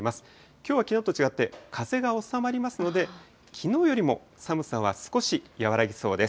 きょうはきのうと違って風が収まりますので、きのうよりも寒さは少し和らぎそうです。